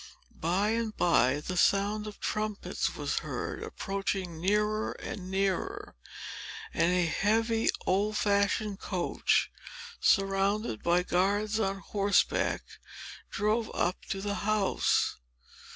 By and by the sound of trumpets was heard, approaching nearer and nearer; and a heavy, old fashioned coach, surrounded by guards on horseback, drove up to the house.